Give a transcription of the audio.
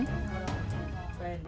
hình thức phổ biến